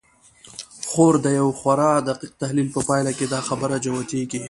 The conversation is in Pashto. خو د يوه خورا دقيق تحليل په پايله کې دا خبره جوتېږي.